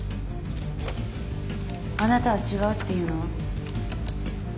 あなたは違うっていうの？